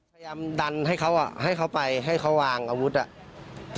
พยายามดันให้เขาอ่ะให้เขาไปให้เขาวางอาวุธอ่ะ